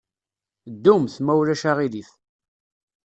Ddumt, ma ulac aɣilif.